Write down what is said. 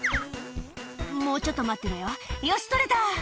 「もうちょっと待ってろよよし取れた！」